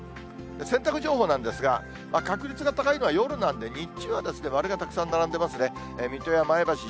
洗濯情報なんですが、確率が高いのは夜なんで、日中は丸がたくさん並んでいますね。